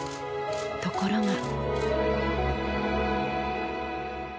ところが。